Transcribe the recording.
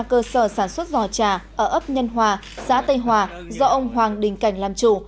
cơ sở sản xuất giò trà ở ấp nhân hòa xã tây hòa do ông hoàng đình cảnh làm chủ